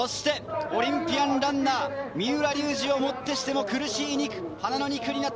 そしてオリンピアンランナー・三浦龍司をもってしても苦しい２区。